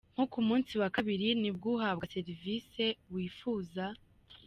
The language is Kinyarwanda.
Nko k’umunsi wa kabiri nibwo uhabwa serivisi wifuza”.